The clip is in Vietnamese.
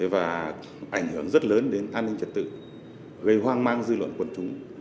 và ảnh hưởng rất lớn đến an ninh trật tự gây hoang mang dư luận quần chúng